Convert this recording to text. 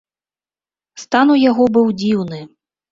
Стан у яго быў дзіўны.